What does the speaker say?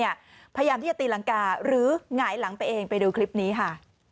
พยายามที่จะตีรังกาหรือหงายหลังไปเองไปดูคลิปนี้ค่ะ